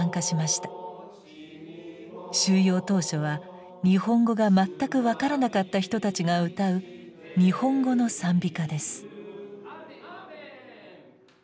収容当初は日本語が全く分からなかった人たちが歌う日本語の賛美歌です。